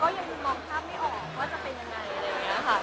โหตอนแรกนี่มองภาพไม่ออกว่ามันจะเป็นยังไง